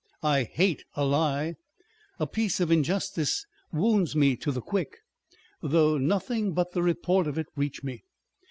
I hate a lie ; a piece of injustice wounds me to the quick, though nothing but the report of it reach me.